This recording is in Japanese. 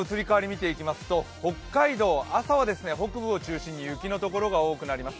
天気の移り変わりをみてみますと北海道北部を中心に雪のところが多くなります。